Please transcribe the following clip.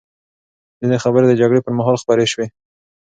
ځینې خبرې د جګړې پر مهال خپرې شوې.